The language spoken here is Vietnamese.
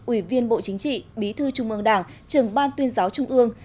ủy viên bộ chính trị bí thư trung ương đảng trưởng ban tuyên giáo trung ương